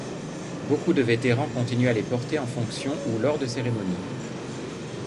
Beaucoup de vétérans continuent à les porter en fonction ou lors de cérémonies.